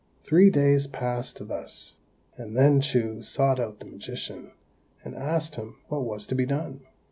Three days passed thus, and then Chou sought out the magician, and asked him what was to be done.